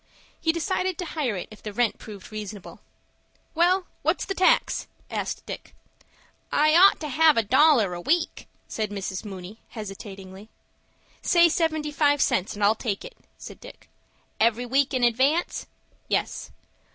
He decided to hire it if the rent proved reasonable. "Well, what's the tax?" asked Dick. "I ought to have a dollar a week," said Mrs. Mooney, hesitatingly. "Say seventy five cents, and I'll take it," said Dick. "Every week in advance?" "Yes."